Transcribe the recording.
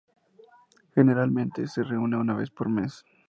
Generalmente se reúne una vez por mes.